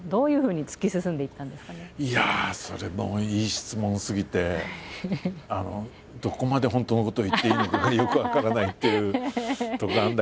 いやあそれもいい質問すぎてどこまで本当のことを言っていいのかがよく分からないっていうとこがあるんだけども。